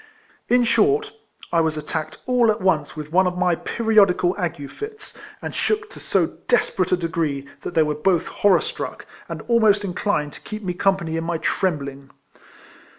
In short, I was attacked all at once with one of my periodical ague fits, and shook to so desperate a degree that they were both RIFLEMAN HARRIS. 269 horror struck, and almost inclined to keep me company in my trembling.